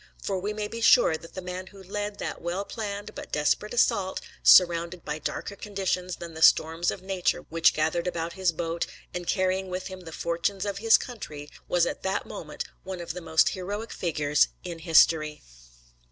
For we may be sure that the man who led that well planned but desperate assault, surrounded by darker conditions than the storms of nature which gathered about his boat, and carrying with him the fortunes of his country, was at that moment one of the most heroic figures in history.